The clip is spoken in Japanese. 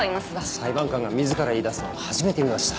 裁判官が自ら言いだすの初めて見ました。